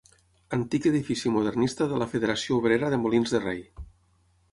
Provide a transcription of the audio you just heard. Antic edifici modernista de la Federació Obrera de Molins de Rei.